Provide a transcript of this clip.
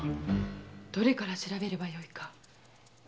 どれから調べればよいか。